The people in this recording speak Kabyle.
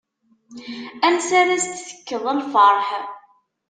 Ansi ara as-d-tekkeḍ a lferḥ.